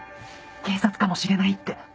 警察かもしれないって。